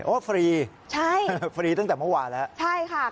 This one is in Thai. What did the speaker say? โอ้ฟรีฟรีตั้งแต่เมื่อวานแล้วพี่พี่พี่ใช่ค่ะ